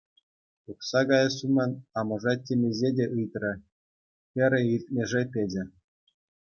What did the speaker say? Тухса каяс умӗн амӑшӗ темиҫе те ыйтрӗ, хӗрӗ илтмӗше печӗ.